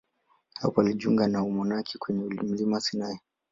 Hapo alijiunga na umonaki kwenye mlima Sinai.